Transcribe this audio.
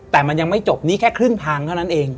แต่มันยังไม่จบนี้แค่ครึ่งทางเท่านั้นเอง